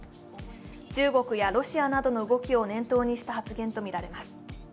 中国やロシアなどの動きを念頭にした発言とみられます。